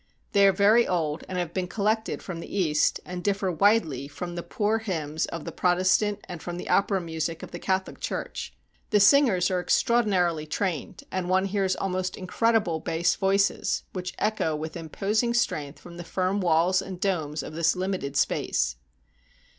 They are very old, and have been collected from the East, and differ widely from the poor hymns of the Prot 204 THE CORONATION OF ALEXANDER II estant and from the opera music of the Catholic Church. The singers are extraordinarily trained, and one hears almost incredible bass voices, which echo with imposing strength from the firm walls and domes of this limited space.